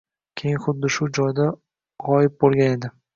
keyin xuddi shu joyda g ‘oyib bo ‘Igan edi.